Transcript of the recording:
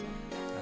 あ。